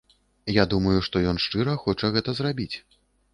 Я думаю, што ён шчыра хоча гэта зрабіць.